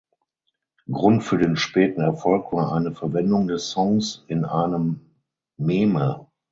Grund für den späten Erfolg war eine Verwendung des Songs in einem Meme.